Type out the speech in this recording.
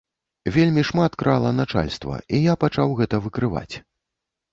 Вельмі шмат крала начальства, і я пачаў гэта выкрываць.